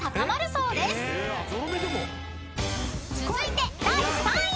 ［続いて第３位］